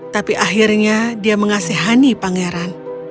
tapi akhirnya dia mengasihani pangeran